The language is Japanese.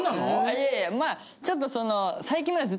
いやいやまあちょっとその。